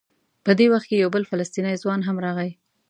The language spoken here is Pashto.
په دې وخت کې یو بل فلسطینی ځوان هم راغی.